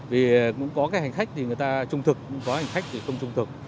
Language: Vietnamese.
vì cũng có cái hành khách thì người ta trung thực cũng có hành khách thì không trung thực